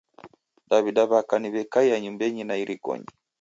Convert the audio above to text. Daw'ida w'aka ni w'ekaiya nyumbenyi na irikonyi.